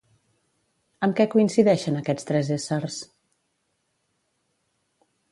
Amb què coincideixen aquests tres éssers?